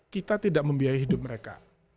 kita tidak membiayai hidup mereka